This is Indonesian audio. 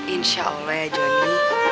insya allah ya jonny